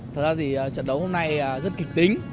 thật ra thì trận đấu hôm nay rất kịch tính